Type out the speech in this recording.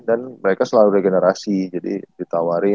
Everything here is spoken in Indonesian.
dan mereka selalu regenerasi jadi ditawarin